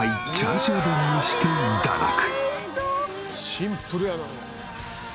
「シンプルやな」